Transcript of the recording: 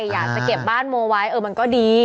อยากจะเก็บบ้านโมไว้เออมันก็ดี